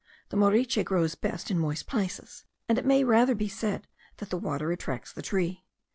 The moriche grows best in moist places; and it may rather be said that the water attracts the tree.